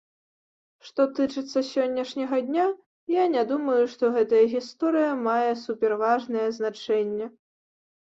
Што тычыцца сённяшняга дня, я не думаю, што гэтая гісторыя мае суперважнае значэнне.